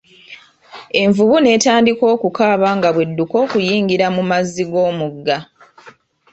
Envubu netandika okukaaba nga bw'edduka okuyingira mu mazzi g'omugga.